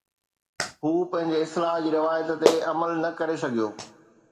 هو پنهنجي اصلاح جي روايت تي عمل نه ڪري سگهيو